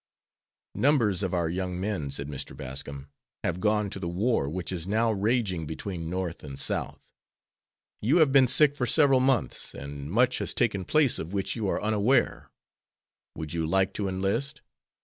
"Numbers of our young men," said Mr. Bascom, "have gone to the war which is now raging between North and South. You have been sick for several months, and much has taken place of which you are unaware. Would you like to enlist?"